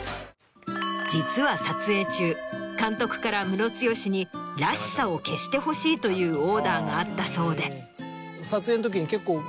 実は撮影中監督からムロツヨシに「らしさを消してほしい」というオーダーがあったそうで。